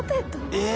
えっ！